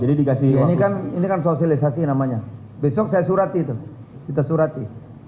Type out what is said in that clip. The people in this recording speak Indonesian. ini kan sosialisasi namanya besok saya surati